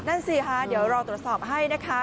นั่นสิคะเดี๋ยวรอตรวจสอบให้นะคะ